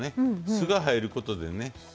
酢が入ることでね